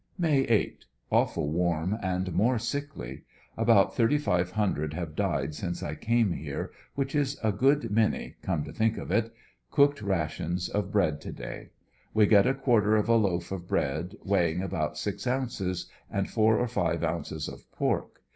May 8 — Awful warm and more sickly. About 3,500 have died since I came here, which is a good many, come to think of it —• cooked rations of bread to da}^ We get a quarter of a loaf of bread, wei hing about six ounces, and four or five ounces of pork.